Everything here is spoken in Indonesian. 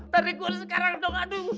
tarik gue sekarang dong aduh